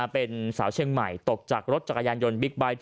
เป็นสาวเชียงใหม่ตกจากรถจักรยานยนต์บิ๊กไบท์